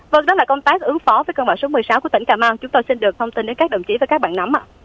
vâng đó là công tác ứng phó với cơn bão số một mươi sáu của tỉnh cà mau chúng tôi xin được thông tin đến các đồng chí và các bạn nắm